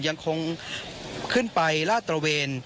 ยังคงขึ้นไปลาดตระเวน